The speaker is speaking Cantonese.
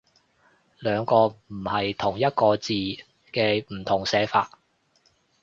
兩個唔係同一個字嘅不同寫法